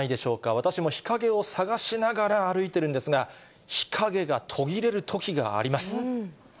私も日陰を探しながら歩いてるんですが、日陰が途切れるときがあります。